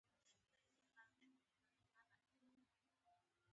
قریشو مشران د لیدلو لپاره راغلل.